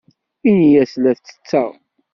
Ini-as la ttetteɣ.